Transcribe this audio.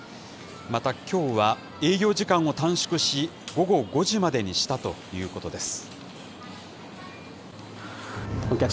また、きょうは営業時間を短縮し、午後５時までにしたということです。